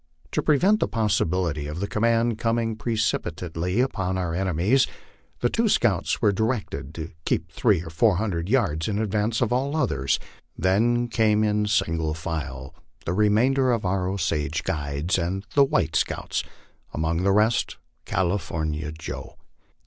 To prevent the possibility of the command coming precipitately upon our enemies, the two scouts were directed to keep three or four hundred yards in advance of all others ; then came, in sin gle file, the remainder of our Osage guides and the white scouts among the rest California Joe.